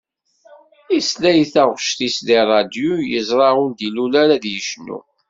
Yesla i taγect-is di ṛṛadiu yezṛa ur d-ilul ara ad yecnu.